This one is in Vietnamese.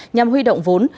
nhằm huy động vốn